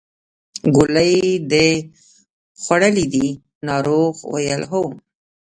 ګولۍ دې خوړلې دي ناروغ وویل هو.